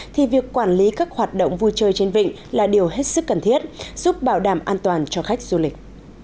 thì việc quản lý các hoạt động vui chơi trên vịnh là điều hết sức cần thiết giúp bảo đảm an toàn cho khách du lịch